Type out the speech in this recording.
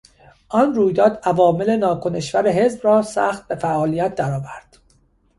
آن رویداد عوامل ناکنشور حزب را سخت به فعالیت در آورد.